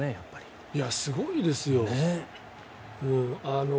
すごいですよ。